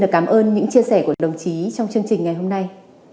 cảm ơn những chia sẻ của đồng chí trong chương trình ngày hôm nay